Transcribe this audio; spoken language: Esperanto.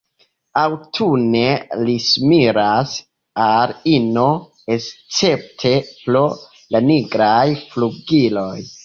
Aŭtune li similas al ino escepte pro la nigraj flugiloj.